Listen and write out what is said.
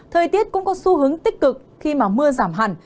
thời tiết cũng có xu hướng tích cực khi mà mưa giảm hẳn